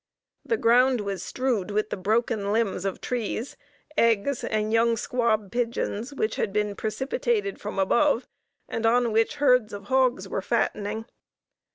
The ground was strewed with broken limbs of trees, eggs, and young squab pigeons, which had been precipitated from above, and on which herds of hogs were fattening.